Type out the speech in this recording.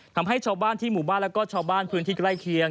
ทำให้ชาวบ้านที่หมู่บ้านแล้วก็ชาวบ้านพื้นที่ใกล้เคียง